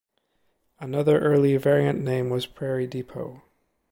Another early variant name was Prairie Depot.